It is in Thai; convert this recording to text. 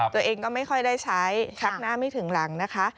ตัวเองก็ไม่ค่อยได้ใช้ชักหน้าไม่ถึงหลังนะคะ